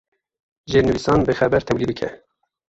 Jêrnivîsan bixweber tevlî bike.